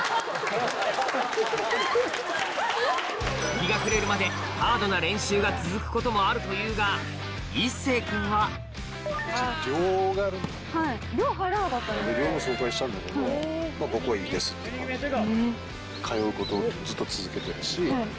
日が暮れるまでハードな練習が続くこともあるというが壱成君は寮入らなかったんですか？